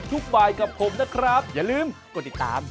สวัสดีครับ